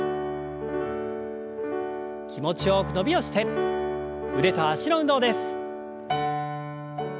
気持ちよく伸びをして腕と脚の運動です。